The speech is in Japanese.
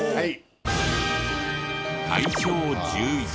はい。